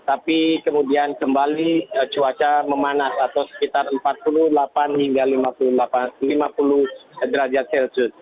tapi kemudian kembali cuaca memanas atau sekitar empat puluh delapan hingga lima puluh derajat celcius